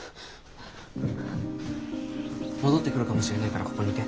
戻ってくるかもしれないからここにいて。